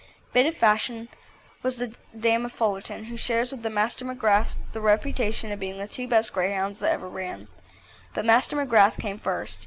Bit of Fashion was the dam of Fullerton, who shares with Master McGrath the reputation of being the two best Greyhounds that ever ran. But Master McGrath came first.